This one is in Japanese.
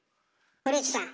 堀内さん。